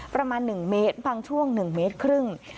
ประมาณหนึ่งเมตรบังช่วงหนึ่งเมตรครึ่ง